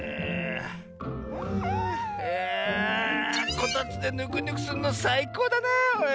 こたつでぬくぬくするのさいこうだなおい。